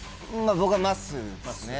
僕はまっすーですね。